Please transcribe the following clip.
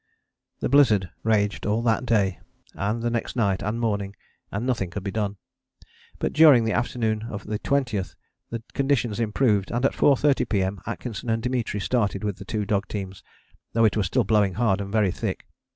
The blizzard raged all that day, and the next night and morning, and nothing could be done. But during the afternoon of the 20th the conditions improved, and at 4.30 P.M. Atkinson and Dimitri started with the two dog teams, though it was still blowing hard and very thick.